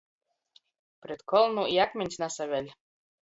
Pret kolnu i akmiņs nasaveļ.